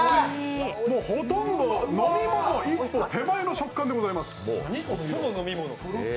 ほとんど飲み物一歩手前の食感でございます。